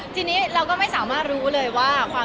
ทีนี้เราก็ไม่สามารถรู้เลยว่า